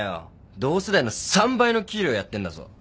同世代の３倍の給料やってんだぞ。